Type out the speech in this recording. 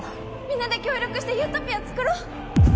みんなで協力してユートピア作ろう？